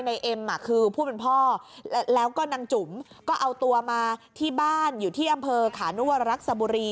เอ็มคือผู้เป็นพ่อแล้วก็นางจุ๋มก็เอาตัวมาที่บ้านอยู่ที่อำเภอขานุวรักษ์สบุรี